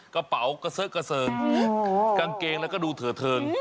กระเป๋ากระเซอร์มกางเกงและดูเถอเทิร์ง